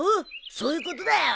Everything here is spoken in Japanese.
そういうことだよ。